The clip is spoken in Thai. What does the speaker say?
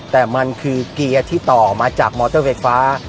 แต่มันคือเกียร์ที่ต่อมาจากมอเตอร์ไฟฟ้า